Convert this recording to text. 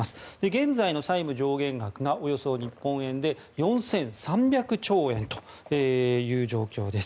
現在の債務上限額がおよそ日本円で４３００兆円という状況です。